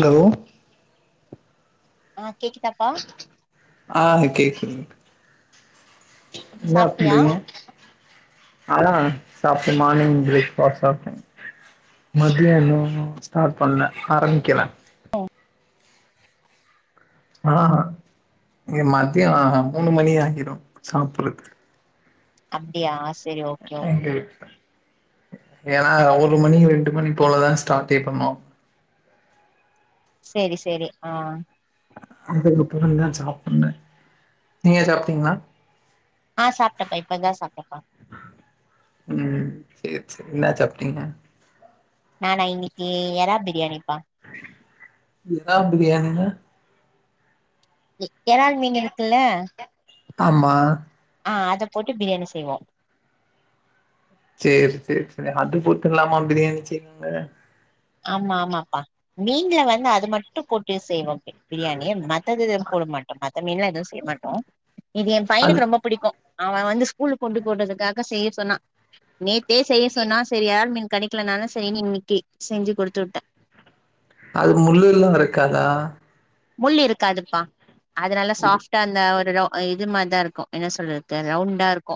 Hello ஆ கேக்குதாப்பா அ கேக்குதுங்க இன்ன சாப்ட்டியா பண்றீங்க அதா சாப்டேன் மார்னிங் பிரேக் பாஸ்ட் சாப்டே மதியானோ ஸ்டாட் பண்ணல ஆரம்பிக்கல அஹா இங்க மத்தியோ மூணு அ மணி ஆகிரு சாப்புட்றதுக்கு அப்டியா சே எங்க வீட்ல ஏன்னா ஒரு மணி ரெண்டு மணி போலதா ஸ்டாட்டே பண்ணுவோ சேரி சேரி ஆ அ அதுக்கப்பறம் தா இனிதா சாப்புன்னு நீங்க சாப்ட்டீங்ளா ஆ சாப்டப்பா இப்பதா சாப்டப்பா சேர் செரி என்னா சாப்ட்டீங்க நானா இன்னிக்கி எரா பிரியாணி எரா பிரியாணினா எறால் மீனுருக்குல்ல ஆமா ஆ அத போட்டு பிரியாணி செய்வோ சேர் செரி செரி எதுனா அள்ளி போட்டர்லாமா பிரியாணி செய்வீங்க ஆமா ஆமாப்பா மீன்ல வந்து அது மட்டு போட்டு செய்வோ அப்டே பிரியாணி மத்தது எதுவு போட மாட்டோ மத்த மீன்லா எதுலா செய்ய மாட்டோ இது எ அது பையனுக்கு ரொம்ப புடிக்கு அவ வந்து ஸ்கூல்கு கொண்டு போறதுக்காக செய்ய சொன்னா நேத்தே செய்ய சொன்னா சேரி ஏரால் மீன் கெடைக்கலன் நா தா செய்னு இன்னிக்கி செஞ்சு குடுத்து உட்டே அது முள்ளுலா இருக்காதா முள்ளு இருக்காதுப்பா அதுனல்லா சாப்ட்டா இந்த ஒரு ரவு அ இது மாதிரிதாருக்கு என்ன சொல்றதுக்கு ரவுண்டாருக்கு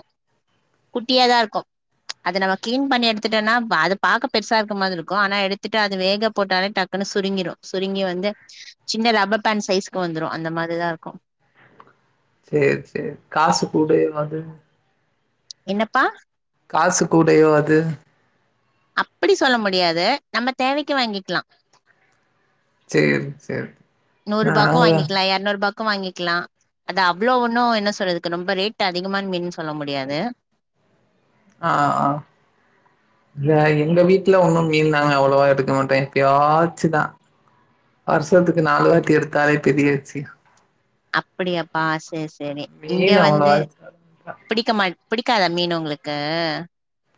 குட்டியாதாருக்கு அது நம்ம கிளீன் பண்ணி எடுத்துட்டோனா அது பாக்க பெருசாருக்க மாரி இருக்கு ஆனா எடுத்துட்டு அது வேக போட்டாலே டக்குன் ன்னு சுருங்கிரும் சுருங்கி வந்து சின்ன லாப் அம்பத்தான் சைஸ்க்கு வந்துரு அந்த மாதிரிதா ருக்கு சேர் சேர் காசு கூடயே வந்து என்னப்பா காசு கூடையோ அது அப்பிடி சொல்ல முடியாது நம்ம தேவைக்கி வாங்கிக்கலா சேரி சேரி நூறுபாக்கு நாங்க வாங்கிக்கலா எரநூறுப்பாக் கு வாங்கிக்கலா அது அவ்ளோ ஒன்னு என்ன சொல்றதுக்கு ரொம்ப ரேட் அதிகமான் மீன் சொல்ல முடியாது ஆ ஆ இல்ல எங்க வீட்ல ஒண்ணு மீன்லா நாங்க அவ்ளோவா எடுக்க மாட்டோ எப்பாடியாச்சுதா வருஷத்துக்கு நாலுவாட்டி எடுத்தாலே பெரியவிச்சியோ அப்டியாப்பா சேரி சேரி இங்க மீன் வந்து அவ்வளவா பிடிக்க மாட் பிடிக்காதா மீன் உங்களுக்கு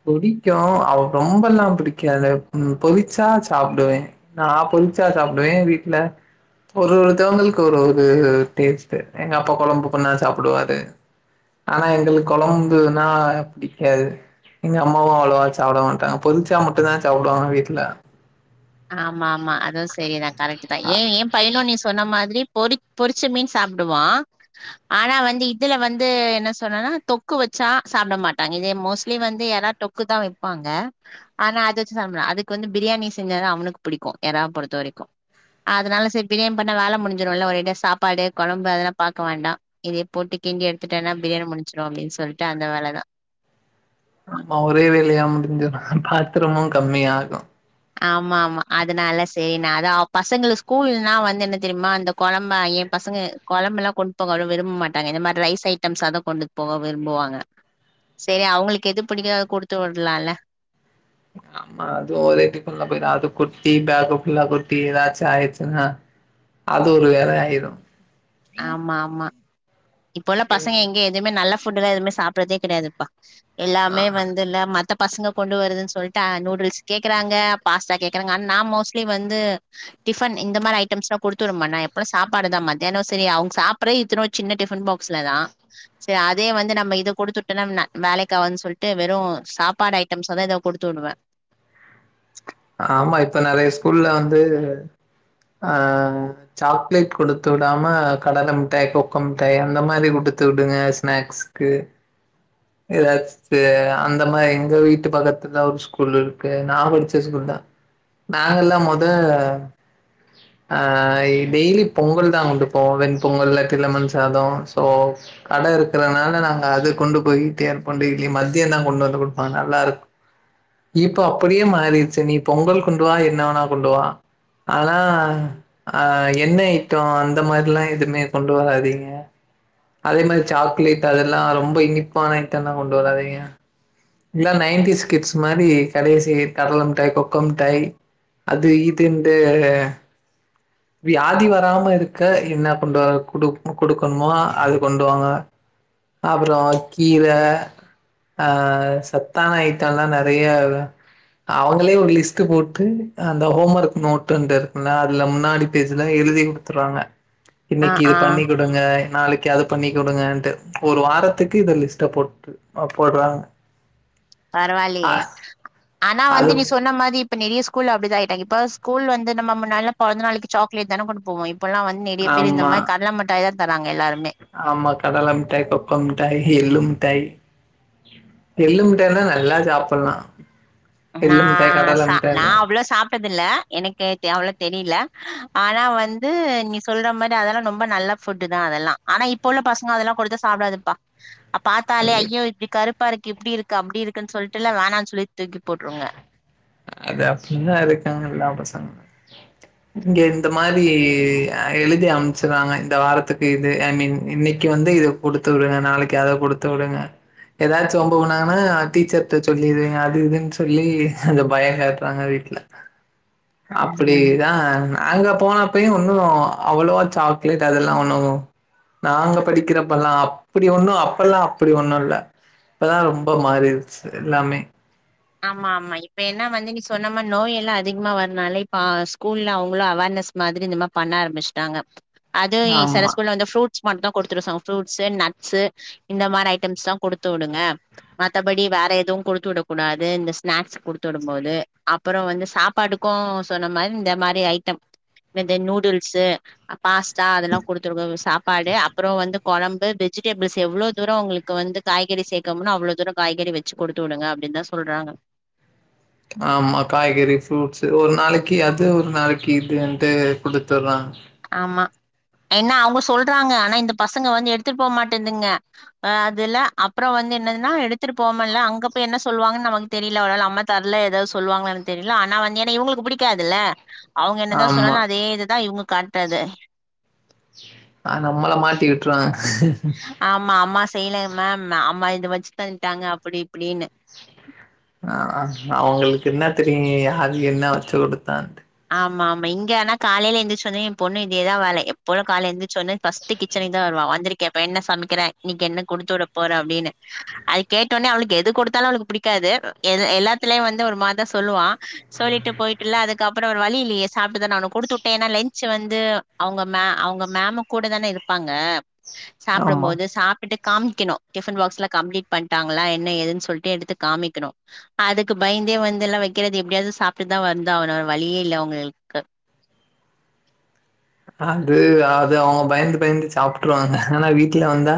புடிக்கு அது ரொம்பல்லா புடிக்காது ம் பொரிச்சா சாப்டுவே ந பொரி புரிச்சா சாப்டுவே வீட்ல ஒரு ஒருத்தவங்களுக்கு ஒரு ஒரு டேஸ்ட்டு எங்க அப்பா கொழம்பு பண்ணா சாப்புடுவாரு ஆனா எங்களுக்கு கொழம்புன்னா புடிக்காது எங்க அம்மாவு அவ்ளோவா சாப்ட மாட்டாங்க பொரிச்சா மட்டு தா சாப்புடுவாங்க வீட்ல ஆமா ஆமா அதுவு செரிதா கரெக்ட் தா ஏ ஏ பையனு நீ சொன்ன மாதிரி பொரிச் பொறிச்ச மீன் சாப்புடுவா ஆனா வந்து இதுல வந்து என்ன சொன்னன்னா தொக்கு வச் சா சாப்பட மாட்டாங்க இதே மோஸ்ட்லி வந்து எறத்தொக்கு தா வைப்பாங்க ஆனா அது சப்டமாட் அதுக் இதுவந்து பிரியாணி செஞ்சாதா அவனுக்கு புடிக்கு எறா பொறுத்த வரைக்கு அதனால சேர் பிரியாணி பண்ணா வேல முடிஞ்சிடுல்ல ஒரேடியா சாப்பாடு கொழம்பு அதெல்லா பாக்க வேண்டா இதே போட்டி கிண்டி எடுத்துட்டேன்னா பிரியணி முடிச்சிடு அப்டின்னு சொல்ட்டு அந்த வேலதா ஆமா ஒரே வேலையா முடிஞ்சுர்னா பாத்தரமும் கம்மியாகு ஆமா ஆமா அதனால சேரி நா அதா பசங்களுக்கு ஸ்கூல்னா வந்து என்ன தெரியுமா அந்த கொழம்பாயி பசங்க கொழம்பெல்லா கொண்டு போக அவ்ளோ விரும்ப மாட்டாங்க இந்த மாரி ரைஸ் ஐட்டம்ஸ் அத கொண்டு போக விரும்புவாங்க செரி அவுங்களுக்கு எது புடிகிதோ அத குடுத்து விடலால ஆ அது ஓரே டிஃபன்ல போய்டு அது கொட்டி பேக்கு ஃபுல்லா கொட்டி ஏதாச்சு ஆயிச்சுன்னா அது ஒரு வேலையாயிடு ஆமா ஆமா இப்பொல்ல பசங்க எங்க எதுவுமே நல்லா ஃபுட்டல்லா எதுவுமே சாப்படறதே கெடையாதப்பா எல்லாமே வந்துல்ல மத் த பசங்க கொண்டு வருதுன் சொல்ட்டு அ நூடுல்ஸ் கேக்குறாங்க பாஸ்டா கேக்குறங் அன் நா மோஸ்ட்லி வந்து டிஃபன் இந்த மாரி ஐட்டம்ஸ்லா குடுத்துறமன்ன எப்பன சாப்பாடுதா மத்யானோஸ் தெரி அவுங் சாப்ரே இத்துனோ சின்ன டிஃபன் பாக்ஸ்ல தா செ அதே வந்து நம்ம இத குடுத்துட்டுனம் ந வெ அலைக்காவாதுன் சொல்ட்டு வெறும் சாப்பாட் ஐட்டம்ஸ் அத இதோ குடுத்து விடுவ ஆமா இப்ப நெறைய ஸ்கூல்ல வந்து அ சாக்லேட் குடுத்து உடாம கடலமுட்டை தொக்க மிட்டய் அந்த மாதிரி உடு டுத்து உடுங்க ஸ்நேக்ஸ்கு ஏதாச் சு அந்த மாய் எங்க வீட்டு பகத்துல ஒரு ஸ்கூல் இருக்கு நா படுச் டெஸ்கூல் நாங்கல்லா மொத அ யி டெய்லி பொங்கல் தா கொண்டு போவொ வென் பொங்கல் லத்தி லெமன் சாதோ சோ கட இருக்குறனால நாங்க அது கொண்டு போயிட்டே இருபொ டெய்லி மத்தியந்தா கொண்டு வந்து குட்ப்பாங் நல்லாருக் இப்ப அப்படியே மாறிற்ச்ச நீ பொங்கல் கொண்டுவா என்னவனா கொண்டுவா ஆனா அ எண்ணெய் ஐட்டோ அந்த மாரிலா எதுமே கொண்டு வராதிங்க அதே மாரி சாக்லேட் அதெல்லா ரொம்ப இனிப்பான ஐட்டல்லா கொண்டு வராதீங்க இல்ல நைன்டிஸ் ஸ்கிட்ஸ் மாரி கடேசி கடலமுட்டாய் கொக்கோ மிட்டாய் அது இதுன்டு வியாதி வராம இருக்க என்ன பண்ற குடுக் குடுக்கணுமோ அது கொண்டு வாங்க அப்ரொ கீர அ சத்தான ஐட்டொல்லா நறய அவங்களே ஒரு லிஸ்ட் போட்டு அந்த ஹோம் ஒர்க் நோட் அந்து இருக்குல்ல அதுல முன்னாடி பேஜ்லா எலுதி குடுத்துறாங்க ஆ இன்னிக்கி இது ஆ பண்ணி குடுங்க நாளக்கி அது பண்ணி கொடுங்கேன்ட்டு ஒரு வாரத்துக்கு இத லிஸ்ட்ட போட்டு அ போட்றாங்க பரவால்லியே ஆனா வந்து நீ அது சொன்ன மாதி இப்ப நெறிய ஸ்கூல்ல அப்டிதா ஆயிட்டாங் இப்ப ஸ்கூல் வந்து நம்ம முன்னால்லா பொழந்த நாளிக்கி சாக்லேட் தான கொண்டு போவோ இப் இப்பல்லா வந் நெறிய பேரு இந்த ஆமா மார் கட்ல முட்டாய் தா தராங்க எல்லாருமே ஆமா கடல மிட்டாய் தொக்கோ மிட்டாய் எள்ளு மிட்டாய் எள்ளு மிட்டாய்னா நல்லா சாப்புல்லா நா ச நா அவ்ளோ சாப் பதுல எனக்கு டி அவ்ளோ தெரிய்ல ஆனா வந்து நீ சொல்ற மாரி அதல்லா நொம்ப நல்ல ஃபுட் தா அதெல்லா ஆனா இப்ப உள்ள பசுங்க அதெல்லா கொடுத்த சாப்டாதுப்பா அ பாத்தாலே ஐயோ இப்டி கருப்பா இருக்கு இப்டி இருக்கு அப்டி இருக்குன் சொல்ட்டுல்ல வேணான் சொல்லி தூக்கி போட்ருங்க அது அப்புடி தா இருக்காங்க எல்லா பசங்ளு இங்க இந்த மாரி எலுதி அம்ச்சிறாங்க இந்த வாரத்துக்கு இது ஐ மீன் இன்னிக்கி வந்து இத குடுத்து விடுங்க நாளக்கி அத குடுத்து விடுங்க ஏதாச் வம்பு பண்ணாங்கனா டீச்சர் ட சொல்லிருவீங்க அது இதுன் சொல்லி அந்த பயொ காட்றாங்க வீட்ல ம் அப்புடிதா அங்க போனப் பயு ஒன்னு அவுளவா சாக்லேட் அதெல்லா ஒன்னு நாங்க படிக்கறப்பல்லா அப்புடி ஒன்னு அப்பல்லா அப்புடி ஒன்னு இல்ல இப்பதா ரொம்ப மாறிற்ச்சு எல்லாமே ஆமா ஆமா இப்ப என்னா வந்து நீ சொன்னமா நோய் எல்லா அதிக்மா வர்னால இப்ப அ ஸ்கூல்ல அவுங்களு அவேர்ன் நெஸ் மாதுரி இந்த மா பண்ண ஆரமிஷ்ட்டாங்க அது இ செல ஆமா ஸ்கூல் ல வந்து ஃப்ரூட் [unintelligible] தா குடுத்துட சம் ஃப்ரூட்ஸு நட்ஸு இந்த மாரி ஐட்ம்ஸ் தா குடுத்து உடுங்க மத்தபடி வேற எதுவு குடுத்து உடக்கூடாத் வே இந்த ஸ்நேக்ஸ் குடுத்துஉடு போது அப்பரொ வந்து சாப்பாடுக்கு சொன்ன மார் இந்த மாரி ஐட்டம் மெதெ நூடுல்ஸு பாஸ்டா அதெல்லா குடுத்துருங்கவ் சாப்பாடு அப்றோ வந்து கொழம்பு வெஜிடேபிள்ஸ் எவ்ளோ தூர ஒங்ளுக்கு வந்து காய்கறி சேக்கமுன் அவ்ளோ தூர காய்கறி வெச்சு குடுத்து உடுங்க அப்டின்த சொல்றாங்க ஆமா காய்கறி ஃப்ரூட்ஸ் ஒரு நாளக்கி அது ஒரு நாளக்கி இதுன்ட்டு குடுத்தற்றாங் ஆமா என்ன அவுங்க சொல்றாங்க அனா இந்த பசங்க வந்து எடுத்துட் போமாட்டேந்துங்க அதுல அப்ற வந் என்னதுன்னா எடுத்துட்டு போக முடிலனா அங்க போய் என்ன சொல்லுவாங்கனு நமக்கு தெரியல அம்மா தரல ஏதாவது சொல்லுவாங்கலானு தெரில நா வந்தன்னா இவங்களுக்கு புடிக்காதுல்ல அவங்க என்னதா சொன்னாலு அதே இதுதா இவங்க காட்டுறது ஆ நம்மல்லா மாட்டி விட்ருவாங்க ஆமா அம்மா செய்யல மேம் அம்மா இது வச்சு தந்ட்டாங்க அப்டி இப்டின்னு ஆ ஓகே அவங்களுக்கு என்ன தெரியு யாரு என்ன வச்சு கொடுத்தான்ட்டு ஆமா ஆமா இங்க ஆனா காலைய எழுந்திருச்ச உடனே என் பொண்ணு இதே தா வேலை எப்பொழுது காலைல எழுந்தச்ச உடனே ஃபர்ஸ்ட் கிச்சனுக்கு தான் வருவா வந்திருக்கே இப்ப என்ன சமைக்கிற இன்னைக்கு என்ன கொடுத்து விட போற அப்டின்னு அது கேட்டவுனே அவளுக்கு எது கொடுத்தாலு அவளுக்கு புடிக்காது எல்லாத்திலயு வந்து ஒரு மாரிதா சொல்லுவா சொல்லிட்டு போயிட்டுல்ல அது அப்பற வழி இல்லயே சாப்ட்டுத ஆவணு கொடுத்துட்டே ஏன்னா லன்ச் வந்து அவங்க மே அவங்க மேம் கூட தானே இருப் பாங்க ஆமா சாப்டும்போது சாப்ட்டுட்டு காமிக்கணு டிபன் பாக்ஸ்லா கம்ளீட் பண்ணிட்டாங்களா என்ன ஏதுன்னு சொல்லிட்டு எடுத்து காமிக்கணு அதுக்கு பயந்து வெளிய வந்து எல்லா வைக்கிறது எப்டியாவது சாப்ட்டுதா வந்த ஆவனு வழியே இல்ல அவங்களுக்கு அது அது அவங்க பயந்து பயந்து சாப்ட்டுருவாங்க ஆனா வீட்ல வந்தா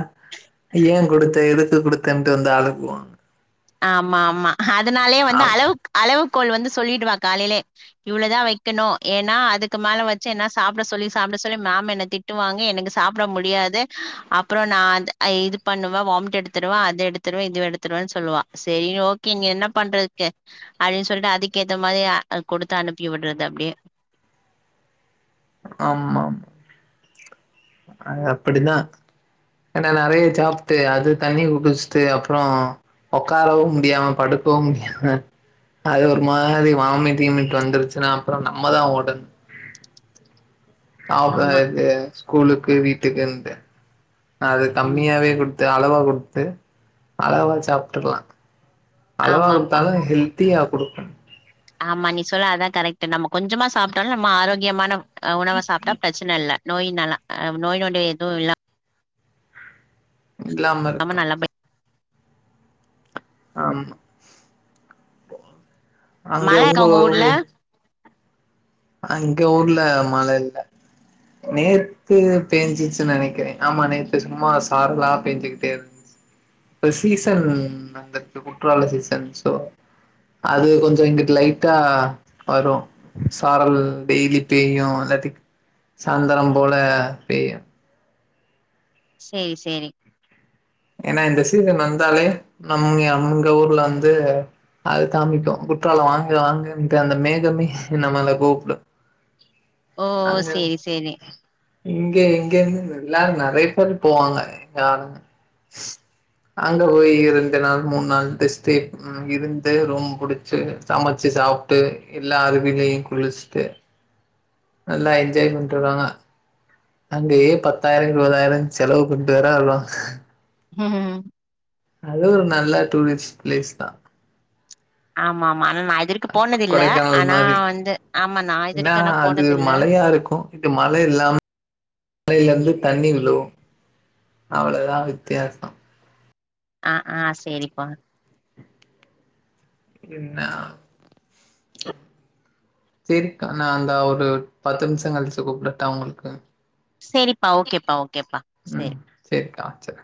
ஏன் கொடுத்த எதுக்கு கொடுத்தேன்ட்டு வந்து அழுகுவாங்க ஆமா ஆமா அதனாலே ஆ வந்து அளவுக் அளவுக் கோல் வந்து சொல்லிடுவா காலையிலே இவ்ளதா வைக்கணு ஏன்னா அதுக்கு மேல வச்சுன சாப்ட சொல்லி சாப்ட சொல்லி மேம் என் திட்டுவாங்க எனக்கு சாப்ட முடியாது அப்புற நா இது பண்ணுவே வாமி எடுத்துடுவே அது எடுத்துடுவ இது எடுத்துடுவே சொல்லுவா சரி ஓகே நீங்க என்ன பண்றதுக்கு அல்லி சொல்லிட்டு அதுக்கேத்த மாரி கொடுத்து அனுப்பி உட்றது அப்டியே ஆமாம் அ அப்டிதா ஏனா நறைய சாப்ட்டு அது தண்ணி குடிச்சுட்டு அப்ற உக்காரவு முடியாம படுக்கவு முடியாம அது ஒரு மாரி வாமிட்கீமிட் வந்துருச்சுன்னா அப்புற நம்மதா ஓடணு அவ ஆமா. இது ஸ்கூலுக்கு வீட்டுக்கிண்டு அது ம். கம்மியாவே குடுத்து அளவா குடுத்து அளவா சாப்ட்டுக்கலா அளவா ஆமாப்பா. கொடுத்தாலு ஹெல்த்தியா கொடுக்கனு ஆமா நிசோலா அதா கரெக்ட் நம்ம கொஞ்சமா சாப்ட்டாலு நம்ம ஆரோக்கியமான உணவ சாப்ட்டா பிரச்சன இல்ல நோய் நலா நோய்நொடி எது இல்லாம இல்லா இல்லாம இருக்கு நல்லா ஆமா அங்க மழ உங்க இருக்கா ஊர்ல அங்க ஊர்ல மழல்ல நேத்து பேஞ்சிச்சு நினைக்கிறே ஆமா நேத்து சும்மா சாரலா பேஞ்சுக்கிட்டே இருந்துச்சு ஒரு சீசன் அங்க இருக்கு குற்றால சீசன் சோ அது கொஞ்ச இங்கிட்டு லைட்டா வரு சாரல் டெய்லி பேயு இல்லாட்டி சாயந்திர போல பேயு சேரி சேரி ஏன்னா இந்த சீசன்ல வந்தாலே நம்ம அங்க ஊர்ல வந்து அது காமிக்கு குற்றாலம் வாங்க வாங்கட்டு அந்த மேகமே நம்மல கூப்டு ஓ அங்க சேரி சேரி இங்க இங்க எல்லாரு நறைய பேரு போவாங்க எங்க ஆளுங்க அங்க போய் இரண்டு நாள் மூணு நாள் [unintelligible] இருந்து ரூம் புடிச்சு சமைச்சு சாப்ட்டு எல்லா அருவிலையு குளிச்ட்டு நல்லா என்ஜாய் பன்ட்டு வருவாங்க அங்கயே பத்தாயிர இருவதாயிர செலவு பண்ட்டு வேர வருவாங்க ம் அது ஒரு நல்ல டூரிஸ்ட் பிளேஸ் தான் ஆமாமா ஆ ஆனா நான் அதருக்கு போனதில்ல கொடைக்கானல் ஆனா மாரி வந்து ஆமா நான் அதுருக்கு ஆனா போனதில்ல மழை இல்லாம மழையிலருந்து தண்ணி விழு அவ்வளவுதா வித்தியாசம் ஆஹ் ஆஹ் சரிப்பா என்னா செரிக்கா நான் இந்த ஒரு பத்து நிமிஷம் கழிச்சு குபடட்ட உங்களுக்கு செரிப்பா ஓகேப்பா ஓகேப்பா ம் செரி சரிக்கா வச்சறே